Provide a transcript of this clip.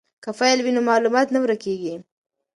که فایل وي نو معلومات نه ورکیږي.